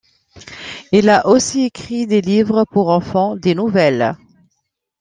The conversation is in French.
Il a aussi écrit des livres pour enfants, des nouvelles.